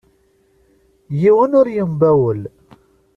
Yiwen ur yembawel.